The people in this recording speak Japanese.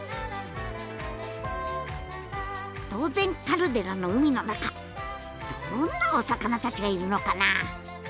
島前カルデラの海の中どんなお魚たちがいるのかな？